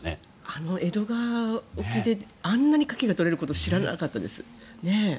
あの江戸川沖であんなにカキが取れること知らなかったです。